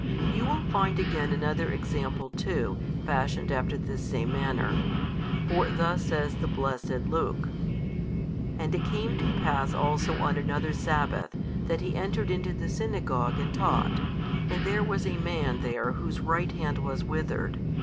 You will find again another example too, fashioned after this same manner. For thus says the blessed Luke, And it came to pass also on another sabbath that He entered into the Synagogue and taught, and there was a man there whose right hand was withered.